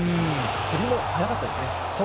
振りも速かったですね。